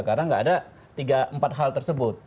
karena engga ada tiga empat hal tersebut